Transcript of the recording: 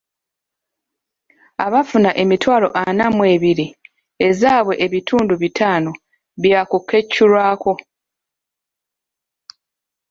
Abafuna emitwalo ana mu ebiri, ezaabwe ebitundu bitaano byakukeculwako.